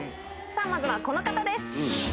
まずはこの方です。